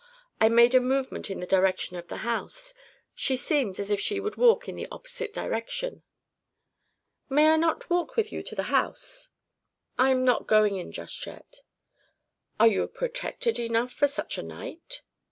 I made a movement in the direction of the house. She seemed as if she would walk in the opposite direction. "May I not walk with you to the house?" "I am not going in just yet." "Are you protected enough for such a night?"